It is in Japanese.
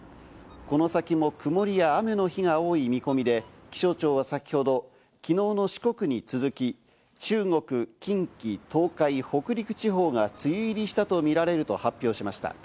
この先も曇りや雨の日が多い見込みで、気象庁は先ほど、昨日の四国に続き中国、近畿、東海、北陸地方が梅雨入りしたとみられると発表しました。